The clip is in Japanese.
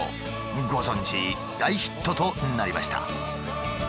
ご存じ大ヒットとなりました。